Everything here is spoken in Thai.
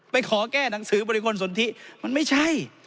ขอแก้หนังสือบริคลสนทิมันไม่ใช่